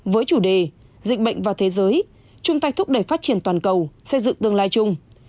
với chủ đề dịch bệnh vào thế giới chung tay thúc đẩy phát triển toàn cầu xây dựng tương lai chung